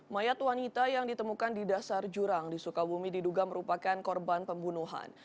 mayat wanita yang ditemukan di dasar jurang di sukabumi diduga merupakan korban pembunuhan